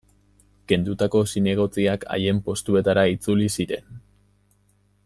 Kendutako zinegotziak haien postuetara itzuli ziren.